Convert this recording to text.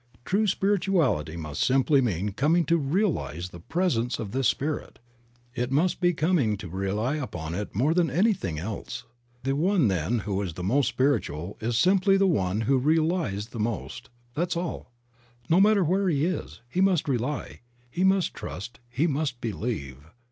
True spirituality must simply mean coming to realize the presence of this Spirit. It must be coming to rely upon it more than anything else. The one then who is the most spiritual is simply the one who relies the most; that is all. No matter where he is, he must rely, he must trust, he must believe.